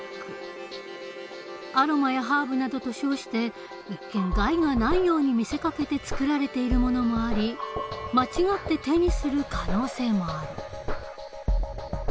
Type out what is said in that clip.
アロマやハーブなどと称して一見害がないように見せかけて作られているものもあり間違って手にする可能性もある。